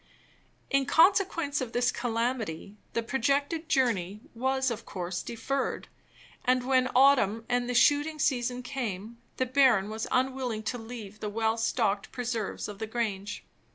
In consequence of this calamity, the projected journey was of course deferred; and when autumn and the shooting season came, the baron was unwilling to leave the well stocked preserves of the Grange.